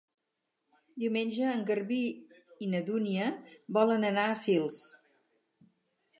Diumenge en Garbí i na Dúnia volen anar a Sils.